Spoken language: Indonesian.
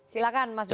silahkan mas bupo